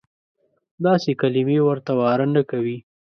داسې کلیمې ورته واره نه کوي.